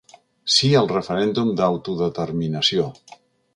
Sí al referèndum d’autodeterminació.